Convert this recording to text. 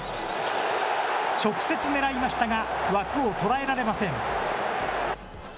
直接狙いましたが、枠を捉えられません。